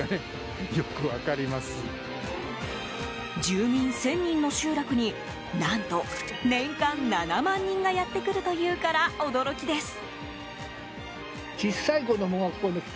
住民１０００人の集落に何と、年間７万人がやってくるというから驚きです。